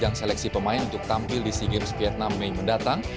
ajang seleksi pemain untuk tampil di sea games vietnam mei mendatang